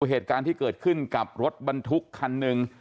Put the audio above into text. เหตุการณ์ที่เกิดขึ้นกับรถบรรทุกคันหนึ่ง